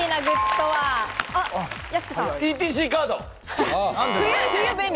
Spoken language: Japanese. ＥＴＣカード。